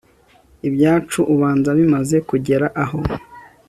ibyacu ubanza bimaze kugera aho